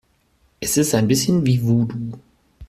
Es ist ein bisschen wie Voodoo.